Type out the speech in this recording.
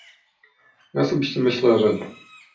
Ja osobiście myślę, że nie